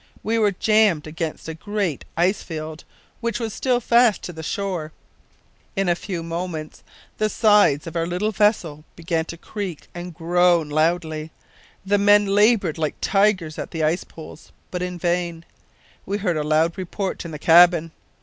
We were jammed against a great ice field which was still fast to the shore. In a few moments the sides of our little vessel began to creak and groan loudly. The men laboured like tigers at the ice poles, but in vain. We heard a loud report in the cabin.